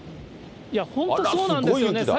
いや、本当、そうなんですよね。